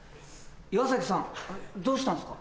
岩崎さんどうしたんですか？